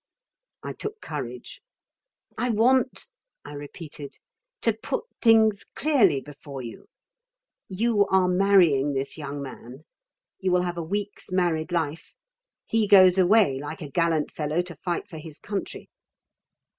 I took courage. "I want," I repeated, "to put things clearly before you. You are marrying this young man. You will have a week's married life. He goes away like a gallant fellow to fight for his country.